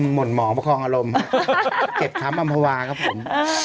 หนหมอประคองอารมณ์เจ็บช้ำอำภาวาครับผม